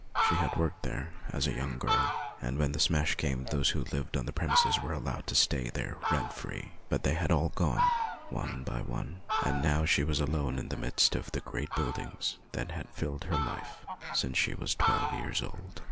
She had worked there as a young girl, and when the smash came those who lived on the premises were allowed to stay there rent free ; but they had all gone one by one, and now she was alone in the midst of the great buildings that had filled her life since she was twelve years old.